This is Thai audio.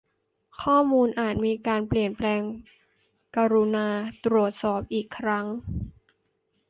ข้อมูลอาจมีการเปลี่ยนแปลงกรุณาตรวจสอบอีกครั้ง